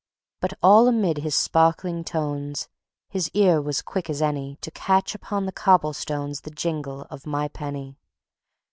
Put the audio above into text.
But all amid his sparkling tones His ear was quick as any To catch upon the cobble stones The jingle of my penny.